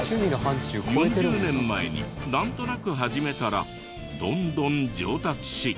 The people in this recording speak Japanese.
４０年前になんとなく始めたらどんどん上達し。